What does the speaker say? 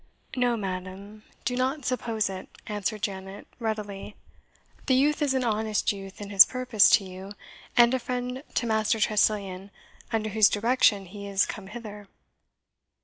"No, madam, do not suppose it," answered Janet readily; "the youth is an honest youth in his purpose to you, and a friend to Master Tressilian, under whose direction he is come hither."